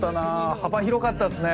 幅広かったですね。